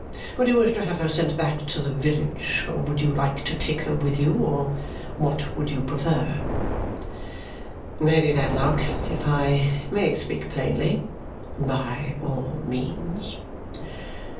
Would you wish to have her sent back to the village, or would you like to take her with you, or what would you prefer?" "Lady Dedlock, if I may speak plainly " "By all means."